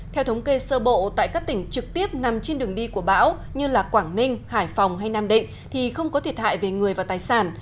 theo thống kê sơ bộ tại các tỉnh trực tiếp nằm trên đường đi của bão như quảng ninh hải phòng hay nam định thì không có thiệt hại về người và tài sản